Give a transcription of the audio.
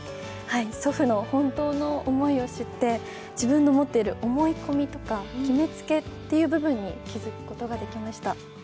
祖父の本当の思いを知って、自分の持っている思い込みとか決めつけという部分に気づくことができました。